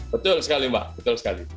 betul sekali mbak betul sekali